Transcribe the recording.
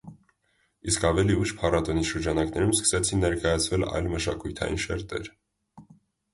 Իսկ ավելի ուշ փառատոնի շրջանակներում սկսեցին ներկայացվել այլ մշակութային շերտեր։